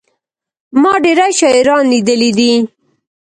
ما ډېري شاعران لېدلي دي.